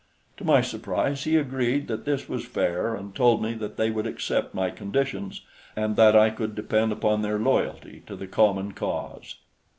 To my surprise he agreed that this was fair and told me that they would accept my conditions and that I could depend upon their loyalty to the common cause.